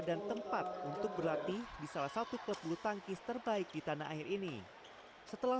dan tempat untuk berlatih di salah satu klub bulu tangkis terbaik di tanah air ini setelah